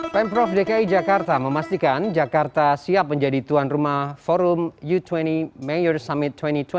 pemprov dki jakarta memastikan jakarta siap menjadi tuan rumah forum u dua puluh mayor summit dua ribu dua puluh tiga